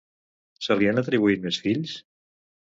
Se li han atribuït més fills?